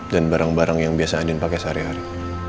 dan barang barang yang biasa andin pake sehari hari